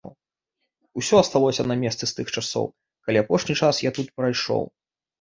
Усё асталося на месцы з тых часоў, калі апошні час я тут прайшоў.